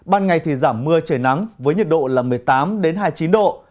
ban ngày thì giảm mưa trời nắng với nhiệt độ là một mươi tám hai mươi chín độ